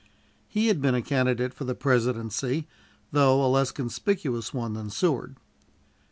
He had been a candidate for the presidency, though a less conspicuous one than Seward.